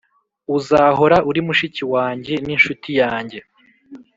uzahora uri mushiki wanjye n'inshuti yanjye.